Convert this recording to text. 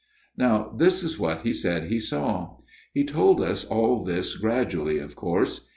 " Now, this is what he said he saw he told us all this gradually, of course.